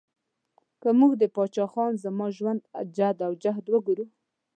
که موږ د پاچا خان زما ژوند او جد او جهد وګورو